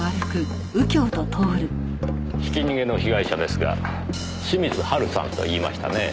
ひき逃げの被害者ですが清水ハルさんといいましたねぇ。